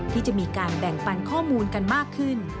ที่จะมีการแบ่งปันข้อมูลกันมากขึ้น